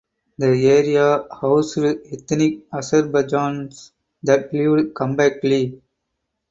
The area housed ethnic Azerbaijanis that lived compactly.